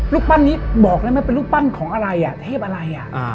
รูปปั้นนี้บอกได้ไหมเป็นรูปปั้นของอะไรอ่ะเทพอะไร